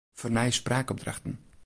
Fernij spraakopdrachten.